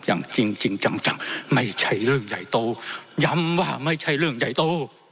อย่างจริงจริงจังไม่ใช่เรื่องใหญ่โตย้ำว่าไม่ใช่เรื่องใหญ่โต